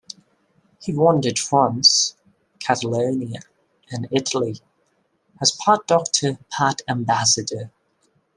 He wandered France, Catalonia, and Italy, as part doctor, part ambassador.